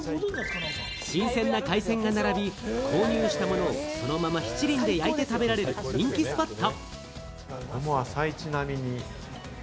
新鮮な海鮮が並び、購入したものをそのまま七輪で焼いて食べられる人気スポット。